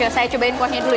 saya cobain kuahnya dulu ya